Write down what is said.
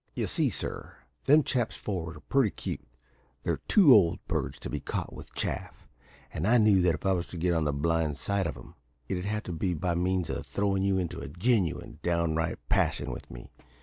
"You see, sir, them chaps for'ard are pretty cute; they're too old birds to be caught with chaff; and I knew that if I was to get on the blind side of 'em, it'd have to be by means of throwin' you into a genuine, downright passion with me.